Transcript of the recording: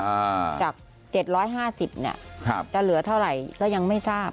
อ่าจากเจ็ดร้อยห้าสิบเนี้ยครับจะเหลือเท่าไหร่ก็ยังไม่ทราบ